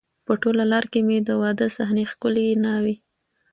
په ټوله لار کې مې د واده صحنې، ښکلې ناوې،